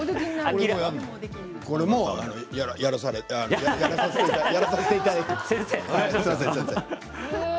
これも、やらされてやらせていただいて。